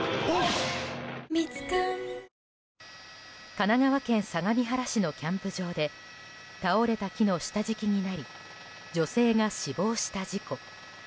神奈川県相模原市のキャンプ場で倒れた木の下敷きになり女性が死亡した事故。